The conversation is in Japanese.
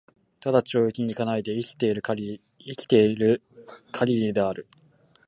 只懲役に行かないで生きて居る許りである。